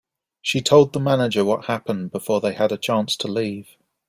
She told the manager what happened before they had a chance to leave.